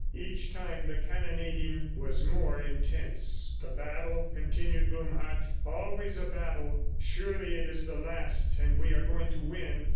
Each time the cannonading was more intense. "The battle," continued Blumhardt. "Always a battle! ... Surely it is the last and we are going to win.